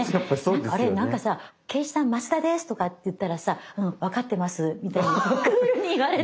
あれ何かさ敬一さん「増田です！」とかって言ったらさ「分かってます」みたいにクールに言われて。